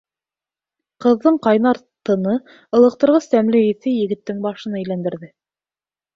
Ҡыҙҙың ҡайнар тыны, ылыҡтырғыс тәмле еҫе егеттең башын әйләндерҙе.